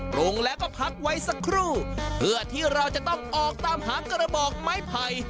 ปรุงแล้วก็พักไว้สักครู่เพื่อที่เราจะต้องออกตามหากระบอกไม้ไผ่